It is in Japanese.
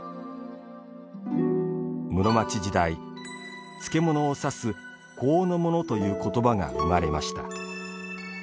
室町時代、漬物を指す「香の物」という言葉が生まれました。